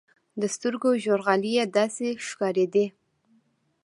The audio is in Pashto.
د سترګو ژورغالي يې داسې ښکارېدې.